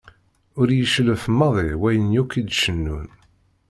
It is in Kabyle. Ur iyi-cellef maḍi wayen yakk i d-cennun.